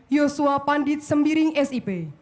yosua pandit sembiring sip